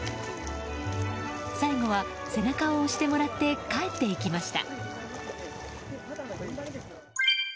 最後は背中を押してもらって帰っていきました。